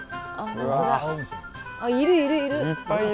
いるいるいる！